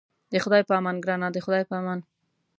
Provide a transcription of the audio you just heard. د خدای په امان ګرانه د خدای په امان.